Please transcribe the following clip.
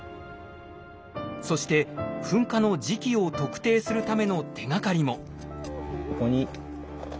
そして噴火の時期を特定するための手がかりも。